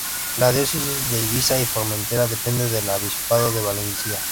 La diócesis de Ibiza y Formentera depende del Arzobispado de Valencia.